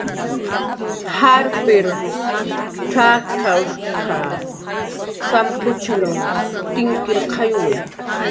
Jarpiq tz'akawshq samkuchinw tinkirqayki